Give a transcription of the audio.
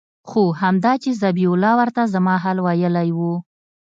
خو همدا چې ذبيح الله ورته زما حال ويلى و.